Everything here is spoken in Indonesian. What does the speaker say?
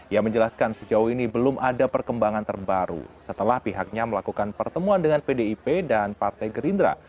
ia menjelaskan sejauh ini belum ada perkembangan terbaru setelah pihaknya melakukan pertemuan dengan pdip dan partai gerindra